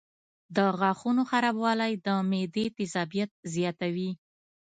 د غاښونو خرابوالی د معدې تیزابیت زیاتوي.